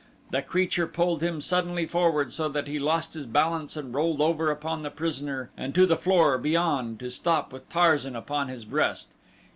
The creature pulled him suddenly forward so that he lost his balance and rolled over upon the prisoner and to the floor beyond to stop with Tarzan upon his breast.